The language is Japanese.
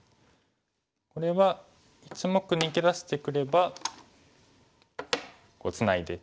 これは１目逃げ出してくればツナいで。